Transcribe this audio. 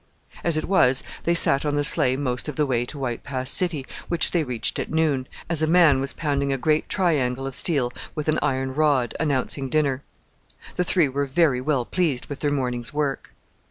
As it was, they sat on the sleigh most of the way to White Pass City, which they reached at noon as a man was pounding a great triangle of steel with an iron rod, announcing dinner. The three were very well pleased with their morning's work.